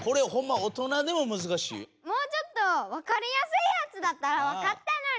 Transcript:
もうちょっとわかりやすいやつだったらわかったのに。